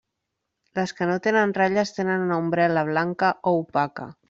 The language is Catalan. Les que no tenen ratlles tenen una umbel·la blanca o opaca.